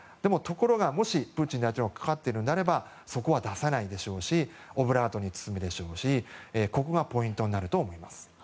でも、もしプーチン大統領が関わっているのであればそこは出さないでしょうしオブラートに包むでしょうしここがポイントになると思います。